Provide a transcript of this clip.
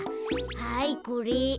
はいこれ。